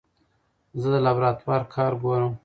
زه د لابراتوار کار ګورم.